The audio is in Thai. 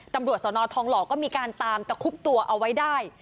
ตำรวจสนทองหล่อก็มีการตามตะคุบตัวเอาไว้ได้